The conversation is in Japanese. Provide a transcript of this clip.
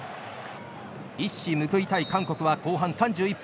一矢報いたい韓国は後半３１分。